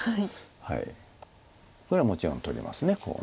これはもちろん取りますコウを。